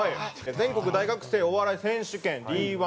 全国大学生お笑い選手権Ｄ−１。